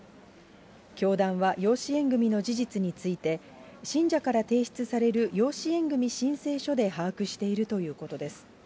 教団は養子縁組みの事実について、信者から提出される、養子縁組み申請書で把握しているということです。